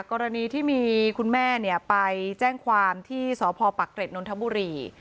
กรณีที่มีคุณแม่ไปแจ้งความที่สพปักเกร็ดนนทบุรี